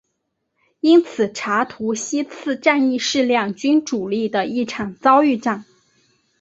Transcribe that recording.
因此查图西茨战役是两军主力的一场遭遇战。